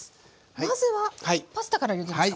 まずはパスタからゆでますか？